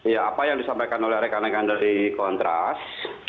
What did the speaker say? ya apa yang disampaikan oleh rekan rekan dari kontras